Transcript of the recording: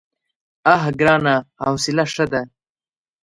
_اه ګرانه! حوصله ښه ده.